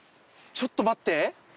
ちょっと待って。